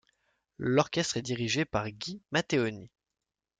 L'orchestre est dirigé par Guy Matteoni.